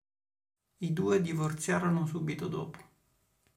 I due divorziarono subito dopo.